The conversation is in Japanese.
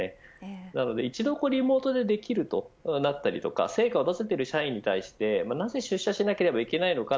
なので一度リモートでもできると成果を出せている社員に対してなぜ出社しなければいけないのか